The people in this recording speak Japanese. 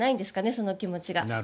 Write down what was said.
その気持ちが。